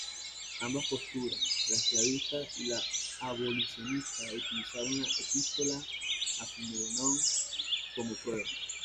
Ambas posturas, la esclavista y la abolicionista, utilizaron la "Epístola a Filemón" como prueba.